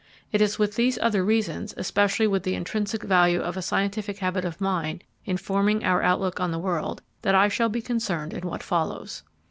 It is with these other reasons, especially with the intrinsic value of a scientific habit of mind in forming our outlook on the world, that I shall be concerned in what follows.